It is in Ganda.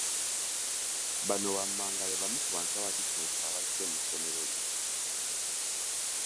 Bano wammanga be bamu ku bantu abatutumufu abayise mu ssomero lino